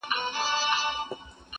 باد صبا د خدای لپاره٫